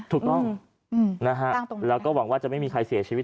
ถูกต้องนะฮะแล้วก็หวังว่าจะไม่มีใครเสียชีวิต